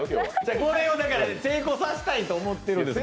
これを成功させたいと思っているんですよ。